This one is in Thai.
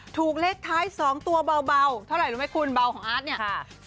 ถูกเลขท้าย๒ตัวเบาเท่าไหร่รู้ไหมคุณเบาของอาร์ตเนี่ย